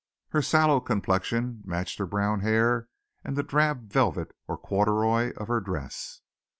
Her sallow complexion matched her brown hair and the drab velvet or corduroy of her dress.